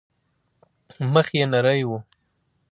مخ يې نرى و.